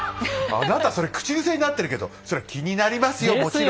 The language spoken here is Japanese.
あなたそれ口癖になってるけどそれは気になりますよ